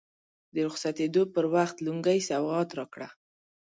د رخصتېدو پر وخت لونګۍ سوغات راکړه.